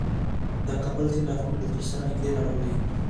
د کابل سیند له افغان کلتور سره نږدې تړاو لري.